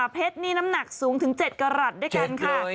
เพชรนี่น้ำหนักสูงถึง๗กรัฐด้วยกันค่ะ